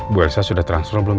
bu arissa sudah transfer belum ya